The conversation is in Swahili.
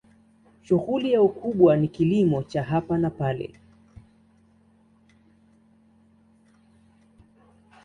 Shughuli yao kubwa ni kilimo cha hapa na pale.